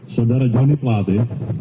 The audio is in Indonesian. saudara johnny platte